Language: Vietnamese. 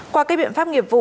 qua các biện pháp nghiệp vụ